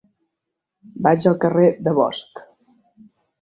Vaig al carrer de Bosch.